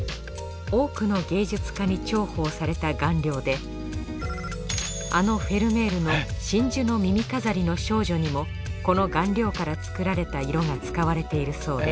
多くの芸術家に重宝された顔料であのフェルメールの『真珠の耳飾りの少女』にもこの顔料から作られた色が使われているそうです